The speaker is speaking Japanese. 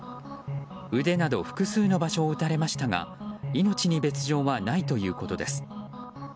腕など複数の場所を撃たれましたが命に別条はないということです。